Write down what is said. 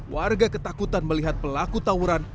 warga ketakutan melihat pelaku tawuran